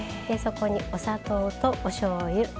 そこにお砂糖とおしょうゆ